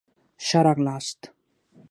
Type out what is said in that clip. ښه را غلاست